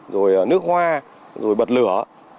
rồi nước hoa rồi bật lửa